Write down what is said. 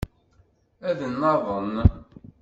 Ad naḍen.